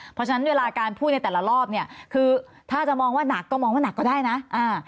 เพราะฉะนั้นเวลาการพูดในแต่ละรอบเนี่ยคือถ้าจะมองว่าหนักก็มองว่าหนักก็ได้นะอ่า